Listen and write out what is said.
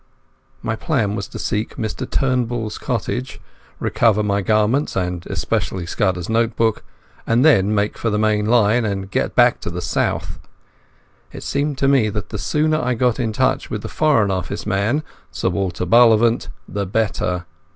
My plan was to seek Mr Turnbull's cottage, recover my garments, and especially Scudder's note book, and then make for the main line and get back to the south. It seemed to me that the sooner I got in touch with the Foreign Office man, Sir Walter Bullivant, the better.